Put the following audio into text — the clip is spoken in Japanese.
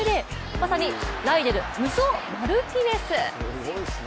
まさにライデル無双マルティネス。